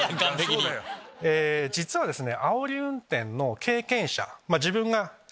実はですね。